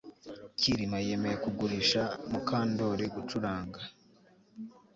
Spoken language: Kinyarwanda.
Kirima yemeye kugurisha Mukandoli gucuranga